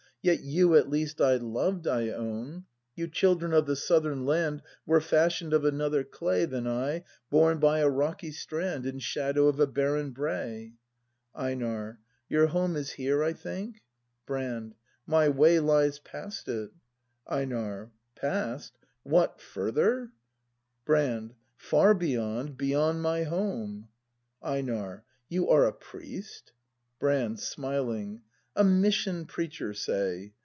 Yet you at least I loved, I own. You children of the southern land Were fashion 'd of another clay Than I, born by a rocky strand In shadow of a barren brae. EiNAR. Your home is here, I think ? Braxd. Lies past it. EiNAR. Past ? What, further ? Brand. Far Beyond, beyond my home. EiNAR. You are A priest ? Brand. [Smiling.] A mission preacher, say.